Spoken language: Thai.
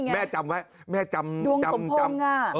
แม่จำไว้ดวงสมพงษ์อ่ะ